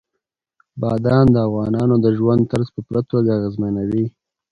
بادام د افغانانو د ژوند طرز په پوره توګه اغېزمنوي.